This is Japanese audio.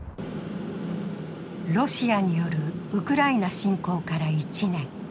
ロシアによるウクライナ侵攻から１年。